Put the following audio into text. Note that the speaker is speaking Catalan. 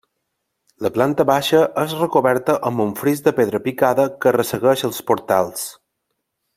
La planta baixa és recoberta amb un fris de pedra picada que ressegueix els portals.